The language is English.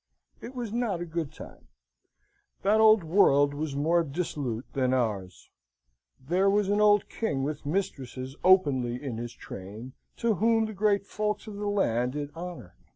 It was not a good time. That old world was more dissolute than ours. There was an old king with mistresses openly in his train, to whom the great folks of the land did honour.